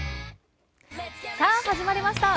さあ始まりました